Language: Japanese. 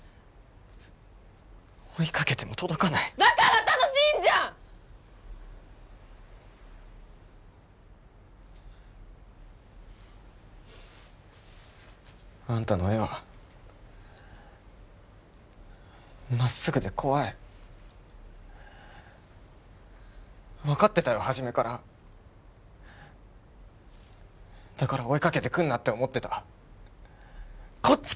追いかけても届かないだから楽しいんじゃん！あんたの絵はまっすぐで怖い分かってたよ初めからだから追いかけてくんなって思ってたこっち